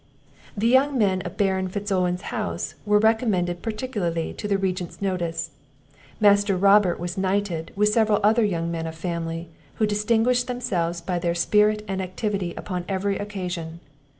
The young men of Baron Fitz Owen's house were recommended particularly to the Regent's notice. Master Robert was knighted, with several other young men of family, who distinguished themselves by their spirit and activity upon every occasion.